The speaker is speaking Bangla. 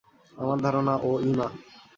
আমার ধারণা, ও ইমা।